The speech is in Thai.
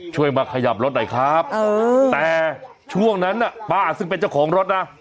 ช่วยมาขยับรถหน่อยครับแต่ช่วงนั้นน่ะป้าซึ่งเป็นเจ้าของรถนะ